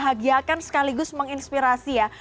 bahagia kan sekaligus menginspirasi ya